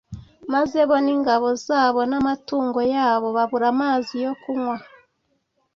Maze bo n ingabo zabo n amatungo yabo babura amazi yo kunywa